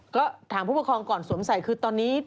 ก็ถามผู้ปกครองก่อนสวมใส่คือตอนนี้